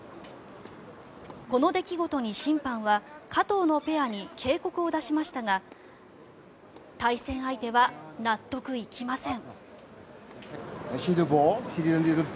この出来事に審判は加藤のペアに警告を出しましたが対戦相手は納得いきません。